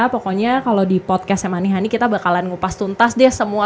pokoknya kalau di podcast money honey kita bakalan ngupas tuntas deh semua